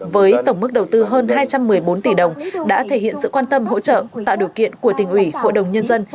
với tổng mức đầu tư hơn hai trăm một mươi bốn tỷ đồng đã thể hiện sự quan tâm hỗ trợ tạo điều kiện của tỉnh ủy hội đồng nhân dân